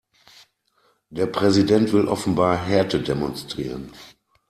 Der Präsident will offenbar Härte demonstrieren.